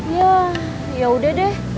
ya yaudah deh